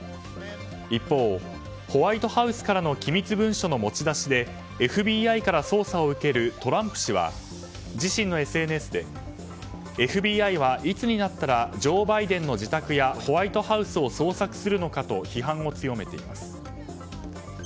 一方、ホワイトハウスからの機密文書の持ち出しでＦＢＩから捜査を受けるトランプ氏は自身のＳＮＳでＦＢＩはいつになったらジョー・バイデンの自宅やホワイトハウスを捜索するのかと批判を強めています。